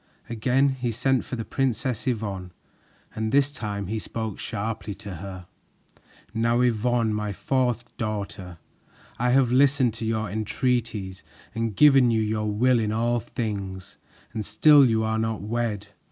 Again he sent for the Princess Yvonne, and this time he spoke sharply to her. "Now, Yvonne, my fourth daughter, I have listened to your entreaties and given you your will in all things, and still you are not wed.